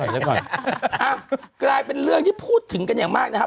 เดี๋ยวก่อนครับกลายเป็นเรื่องที่พูดถึงกันอย่างมากนะครับ